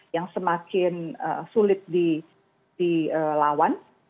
yang semakin sulit dilawan